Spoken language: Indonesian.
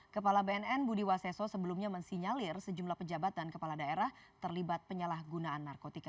kepala bnn budi waseso sebelumnya mensinyalir sejumlah pejabat dan kepala daerah terlibat penyalahgunaan narkotika